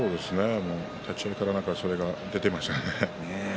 立ち合いからそれが出ていましたね。